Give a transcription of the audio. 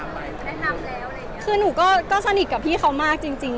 แนะนำแล้วอะไรอย่างเงี้ยคือหนูก็สนิทกับพี่เขามากจริงจริง